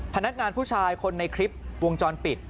พนักงานผู้ชายคนในคลิปวงจรปิด